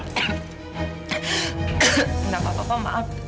nggak apa apa pak maaf